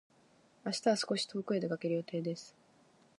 明日は少し遠くへ出かける予定です。